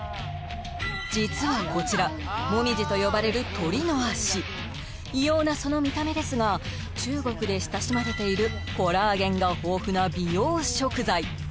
実はこちらもみじと呼ばれる異様なその見た目ですが中国で親しまれているコラーゲンが豊富な美容食材